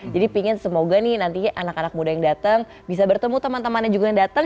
jadi pingin semoga nih nanti anak anak muda yang datang bisa bertemu teman temannya juga yang datang